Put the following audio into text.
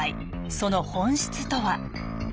その本質とは。